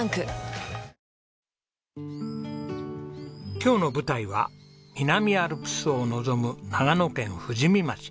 今日の舞台は南アルプスを望む長野県富士見町。